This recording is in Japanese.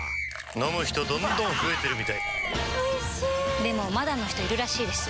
飲む人どんどん増えてるみたいおいしでもまだの人いるらしいですよ